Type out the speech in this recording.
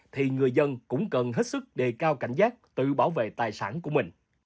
thì người dân cũng cần hết sức đề cao cảnh giác tự bảo vệ tài sản của mình